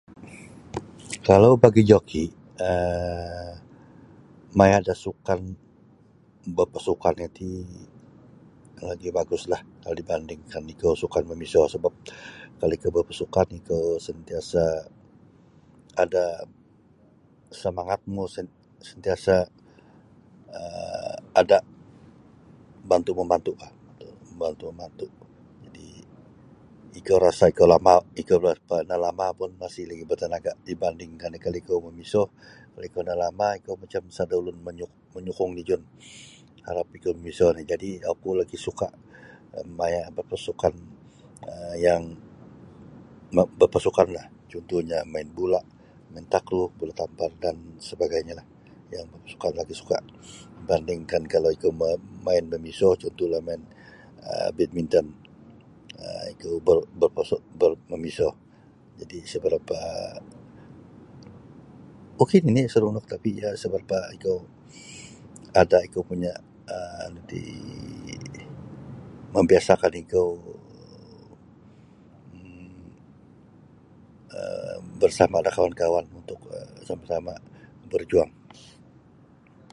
Kalau bagi' joki' um maya' da sukan bapasukan iti lagi' baguslah kalau dibandingkan ikou sukan mamiso sabap kalau ikou bapasukan ikou santiasa' ada' samangatmu san santiasa' um ada' bantu' mambantu' bah bantu' mambantu' jadi ikou rasa ikou lamah ikou nalamah pun masih lagi batanaga' dibandingkan kalau ioku mamiso kalau ikou nalamah ikou macam sada' ulun manyu manyukung dijun harap ikou mimiso oni' jadi' oku labih suka' maya' da pasukan um yang bapasukanlah cuntuhnyo main bola' main takru bola tampar dan sebagainyolah oku lagi suka dibandingkan kalau ikou ma main mamiso cuntuhlah main um bidminton um bar mamiso jadi isa' barapa' ok nini' seronok tapi' sa barapa' ikou ada ikou punya' um mambiasa'kan ikou um barsama' da kawan-kawan untuk barsama-sama' barjuang.